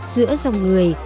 giữa dòng người